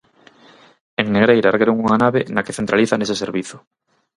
En Negreira ergueron unha nave na que centralizan ese servizo.